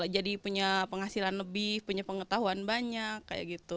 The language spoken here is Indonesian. jadi punya penghasilan lebih punya pengetahuan banyak